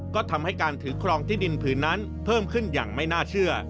ก็ทำให้การถือครองที่ดินผืนนั้นเพิ่มขึ้นอย่างไม่น่าเชื่อ